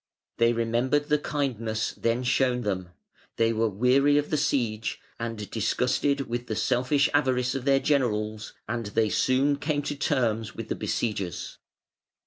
They remembered the kindness then shown them; they were weary of the siege, and disgusted with the selfish avarice of their generals, and they soon came to terms with the besiegers.